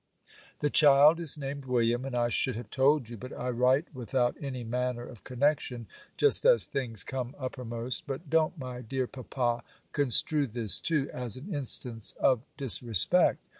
The child is named William, and I should have told you; but I write without any manner of connection, just as things come uppermost: but don't, my dear papa, construe this, too, as an instance of disrespect.